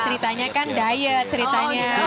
ceritanya kan diet ceritanya